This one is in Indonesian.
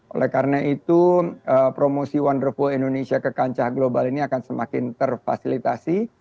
oleh karena itu promosi wonderful indonesia ke kancah global ini akan semakin terfasilitasi